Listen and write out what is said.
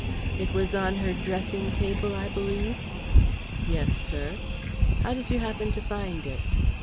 "It was on her dressing table, I believe?" "Yes, sir." "How did you happen to find it?"